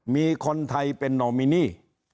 มีคนไทยเป็นนอมินี